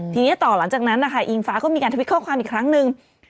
ทีนี้ต่อหลังจากนั้นนะคะอิงฟ้าก็มีการทวิตข้อความอีกครั้งนึง